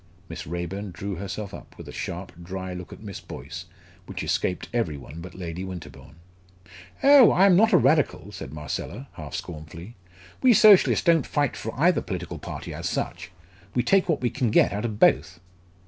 Miss Raeburn drew herself up, with a sharp dry look at Miss Boyce, which escaped every one but Lady Winterbourne. "Oh! I am not a Radical!" said Marcella, half scornfully. "We Socialists don't fight for either political party as such. We take what we can get out of both."